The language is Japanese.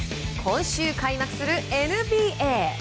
今週開幕するＮＢＡ。